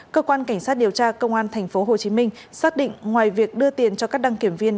cơ quan cảnh sát điều tra công an tp hcm xác định ngoài việc đưa tiền cho các đăng kiểm viên